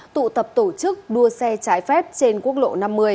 tụ tập tổ chức đua xe trái phép trên quốc lộ năm mươi